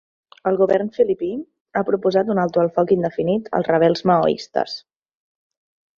El govern filipí ha proposat un alto el foc indefinit als rebels maoistes